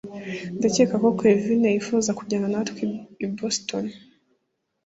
ndakeka ko kevin yifuza kujyana natwe boston